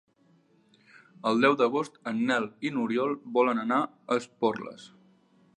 El deu d'agost en Nel i n'Oriol volen anar a Esporles.